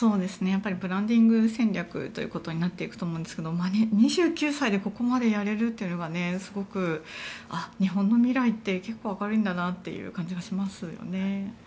やっぱりブランディング戦略ということになっていくと思うんですけど２９歳でここまでやれるというのが日本の未来って結構明るいんだなという感じがしますよね。